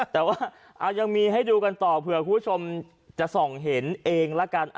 แต่ว่ายังมีให้ดูกันต่อเผื่อคุณผู้ชมจะส่องเห็นเองละกัน